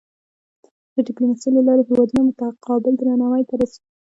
د ډیپلوماسۍ له لارې هېوادونه متقابل درناوی ته رسي.